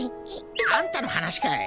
あんたの話かい！